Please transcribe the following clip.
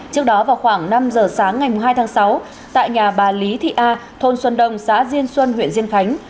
trước đó vào khoảng năm giờ sáng ngày hai tháng sáu tại nhà bà lý thị a thôn xuân đông xã diên xuân huyện diên khánh